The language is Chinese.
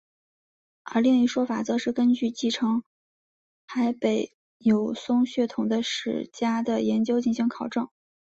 而另一说法则是根据继承海北友松血统的史家的研究进行考证。